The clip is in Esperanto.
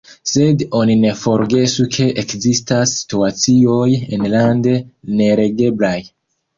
Sed oni ne forgesu, ke ekzistas situacioj enlande neregeblaj.